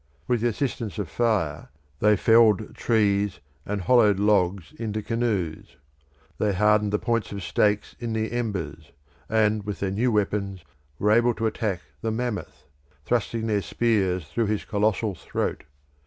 With the assistance of fire they felled trees and hollowed logs into canoes. They hardened the points of stakes in the embers; and with their new weapons were able to attack the mammoth, thrusting their spears through his colossal throat.